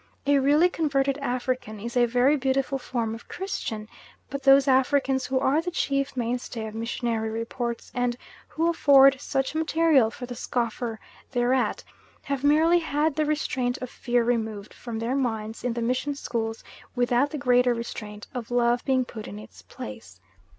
A really converted African is a very beautiful form of Christian; but those Africans who are the chief mainstay of missionary reports and who afford such material for the scoffer thereat, have merely had the restraint of fear removed from their minds in the mission schools without the greater restraint of love being put in its place.